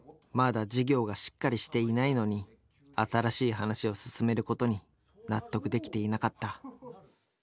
まだ事業がしっかりしていないのに新しい話を進めることに納得できていなかった。